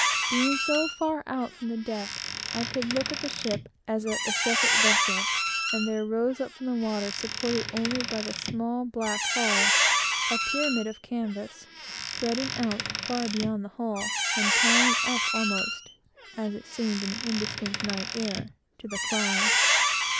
Being so far out from the deck, I could look at the ship, as at a separate vessel; and there rose up from the water, supported only by the small black hull, a pyramid of canvas, spreading out far beyond the hull, and towering up almost, as it seemed in the indistinct night air, to the clouds.